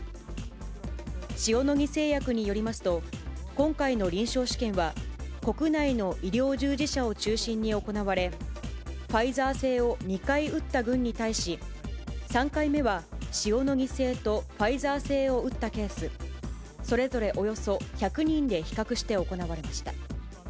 塩野義製薬によりますと、今回の臨床試験は、国内の医療従事者を中心に行われ、ファイザー製を２回打った群に対し、３回目は塩野義製とファイザー製を打ったケース、それぞれおよそ１００人で比較して行われました。